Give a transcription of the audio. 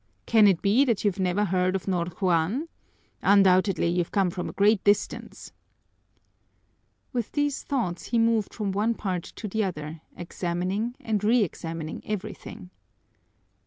Can it be that you've never heard of Ñor Juan? Undoubtedly you've come from a great distance!" With these thoughts he moved from one part to the other, examining and reexamining everything.